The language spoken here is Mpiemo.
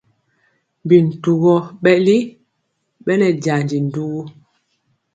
Bi ntugɔ ɓɛli ɓɛ nɛ jandi ndugu.